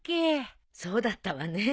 そうだったわね。